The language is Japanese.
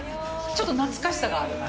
ちょっと懐かしさがある。